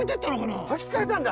履き替えたんだ。